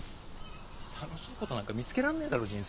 楽しいことなんか見つけらんねえだろ人生。